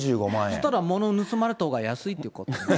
そうしたら物盗まれた方が安いっていうことですよ。